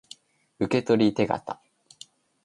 受取手形